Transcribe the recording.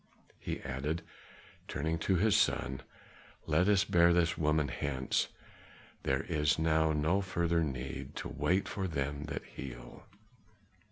he added, turning to his son, "let us bear this woman hence; there is now no further need to wait for them that heal."